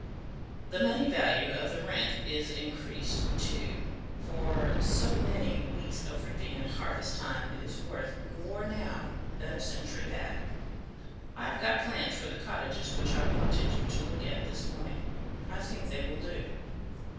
The money value of the rent is increased, too, for so many weeks of reaping in harvest time is worth more now than a century back. I have got plans for the cottages which I wanted you to look at this morning; I think they will do."